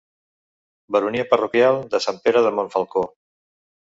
Baronia parroquial de Sant Pere de Montfalcó.